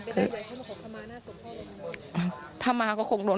เป็นกระจายใหญ่ให้มาขอขมาศพพ่อ